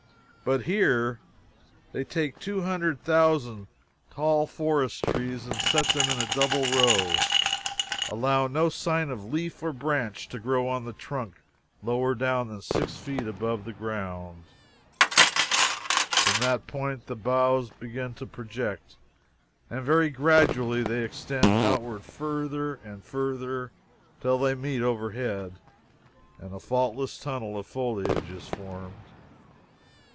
But here they take two hundred thousand tall forest trees and set them in a double row; allow no sign of leaf or branch to grow on the trunk lower down than six feet above the ground; from that point the boughs begin to project, and very gradually they extend outward further and further till they meet overhead, and a faultless tunnel of foliage is formed.